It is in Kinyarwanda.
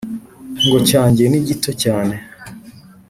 ngo cyanjye ni gito cyane